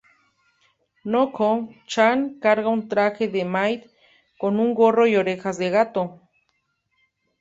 Nokko-chan carga un traje de maid con un gorro y orejas de gato.